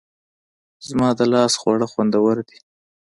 زما د لاس خواړه خوندور دي